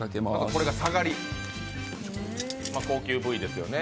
これがサガリ、高級部位ですよね。